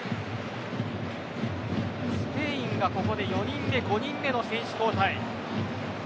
スペインはここで４人目、５人目の選手交代。